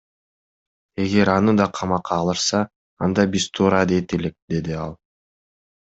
Эгер аны да камакка алышса анда биз туура дейт элек, — деди ал.